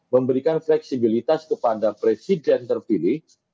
memberikan fleksibilitas kepada presiden terpilih